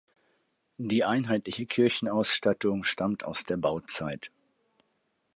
Die einheitliche Kirchenausstattung stammt aus der Bauzeit.